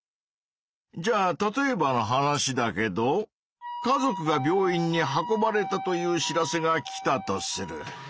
じゃあ例えばの話だけど家族が病院に運ばれたという知らせが来たとする。